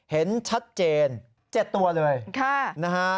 เห็นชัดเจน๗ตัวเลยนะฮะ